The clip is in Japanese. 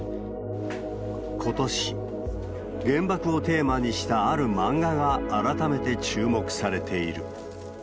ことし、原爆をテーマにしたある漫画が改めて注目されている。